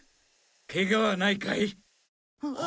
ケガはないかい？